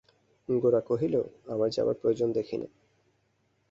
গোরা কহিল, আমার যাবার প্রয়োজন দেখি নে।